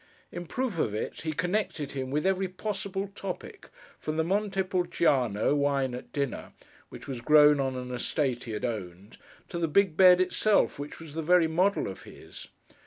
In proof of it, he connected him with every possible topic, from the Monte Pulciano wine at dinner (which was grown on an estate he had owned), to the big bed itself, which was the very model of his.